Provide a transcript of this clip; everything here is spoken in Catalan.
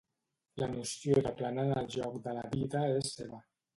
La noció de planar en el joc de la vida és seva.